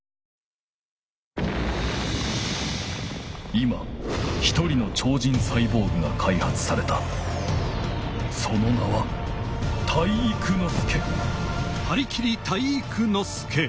今一人のちょうじんサイボーグがかいはつされたその名は体育ノ介！